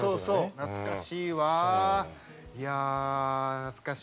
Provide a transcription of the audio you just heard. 懐かしい！